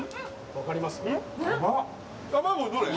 分かります？